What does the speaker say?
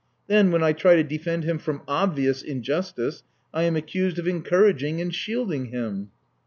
Then, when I try to defend him from obvious injustice, I am accused of encouraging and shielding him."